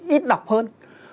ít đọc hơn